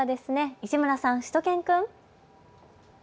市村さん、しゅと犬くん。